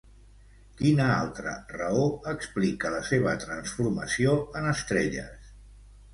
Quina altra raó explica la seva transformació en estrelles?